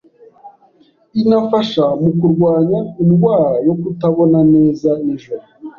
inafasha mu kurwanya indwara yo kutabona neza nijoro